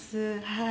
はい。